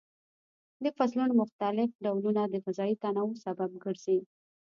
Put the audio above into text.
د فصلونو مختلف ډولونه د غذایي تنوع سبب ګرځي.